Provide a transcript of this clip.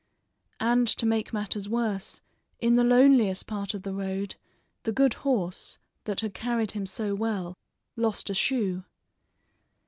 And to make matters worse, in the loneliest part of the road, the good horse, that had carried him so well, lost a shoe.